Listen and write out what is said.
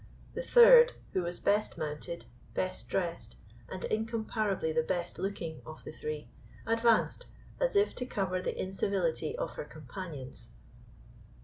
The third, who was best mounted, best dressed, and incomparably the best looking of the three, advanced, as if to cover the incivility of her companions.